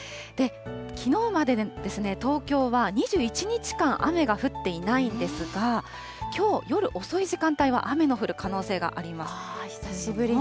きのうまで東京は２１日間、雨が降っていないんですが、きょう夜遅い時間帯は雨の降る可能性があ久しぶりに。